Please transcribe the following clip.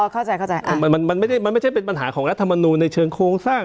เข้าใจเข้าใจมันมันไม่ได้มันไม่ใช่เป็นปัญหาของรัฐมนูลในเชิงโครงสร้าง